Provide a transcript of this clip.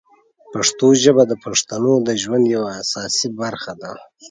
پښتو ژبه د پښتنو د ژوند یوه اساسي برخه ده.